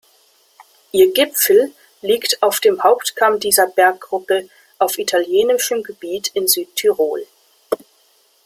Ihr Gipfel liegt auf dem Hauptkamm dieser Berggruppe auf italienischem Gebiet in Südtirol.